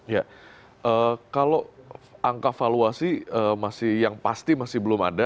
ya kalau angka valuasi yang pasti masih belum ada